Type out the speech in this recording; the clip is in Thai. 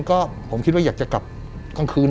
ก็ผมคิดว่าอยากจะกลับกลางคืน